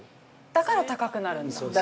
◆だから高くなる。